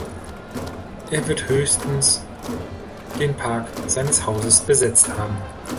Er wird höchstens den Park seines Hauses besetzt haben!